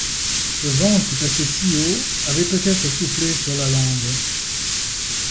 Ce vent qui passait si haut avait peut-être soufflé sur la lande.